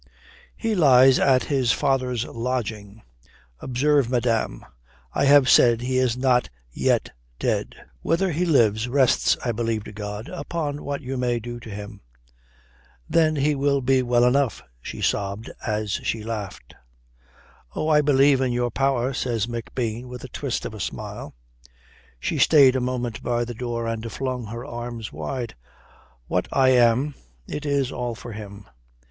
"He lies at his father's lodging. Observe, madame: I have said he is not yet dead. Whether he lives rests, I believe to God, upon what you may be to him." "Then he will be well enough," she sobbed as she laughed. "Oh! I believe in your power," says McBean with a twist of a smile. She stayed a moment by the door and flung her arms wide. "What I am it is all for him."